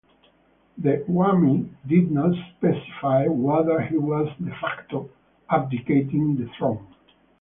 The Mwami did not specify whether he was "de facto" abdicating the throne.